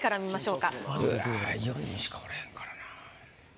うわ４人しかおれへんからな。